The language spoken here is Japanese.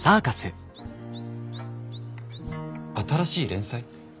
新しい連載？